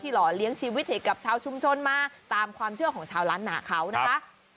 หล่อเลี้ยงชีวิตให้กับชาวชุมชนมาตามความเชื่อของชาวล้านหนาเขานะคะ